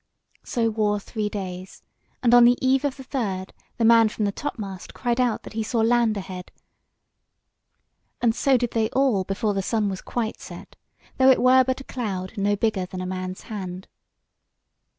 So wore three days, and on the eve of the third, the man from the topmast cried out that he saw land ahead; and so did they all before the sun was quite set, though it were but a cloud no bigger than a man's hand.